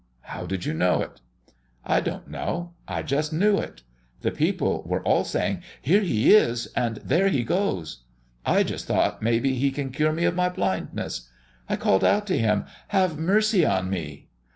"How did you know it?" "I don't know I just knew it. The people were all saying, 'Here He is' and 'There He goes.' I just thought maybe He can cure me of my blindness. I called out to Him, 'Have mercy on me!'